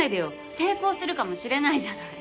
成功するかもしれないじゃない。